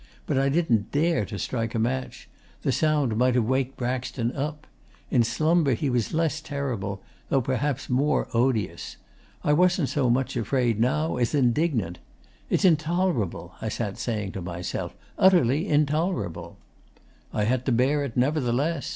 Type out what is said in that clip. But I didn't dare to strike a match. The sound might have waked Braxton up. In slumber he was less terrible, though perhaps more odious. I wasn't so much afraid now as indignant. "It's intolerable," I sat saying to myself, "utterly intolerable!" 'I had to bear it, nevertheless.